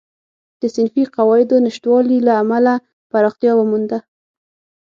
د صنفي قواعدو نشتوالي له امله پراختیا ومونده.